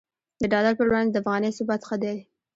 د ډالر پر وړاندې د افغانۍ ثبات ښه دی